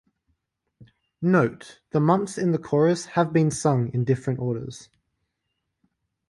Note: The months in the chorus have been sung in different orders.